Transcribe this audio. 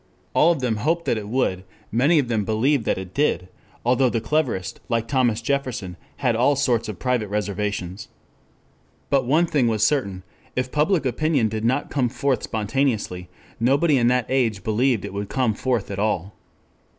All of them hoped that it would, many of them believed that it did, although the cleverest, like Thomas Jefferson, had all sorts of private reservations. But one thing was certain: if public opinion did not come forth spontaneously, nobody in that age believed it would come forth at all.